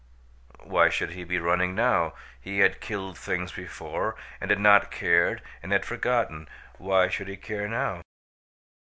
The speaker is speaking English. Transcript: Why should he be running now? He had killed things before and not cared and had forgotten. Why should he care now?